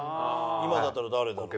今だったら誰だろう？